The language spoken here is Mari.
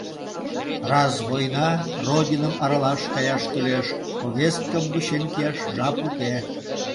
Раз война — Родиным аралаш каяш кӱлеш, повесткым вучен кияш жап уке!..